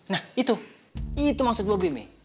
nah itu itu maksud bobi mi